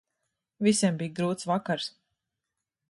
Visiem bija grūts vakars.